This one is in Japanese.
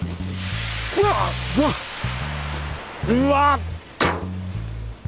うわっ！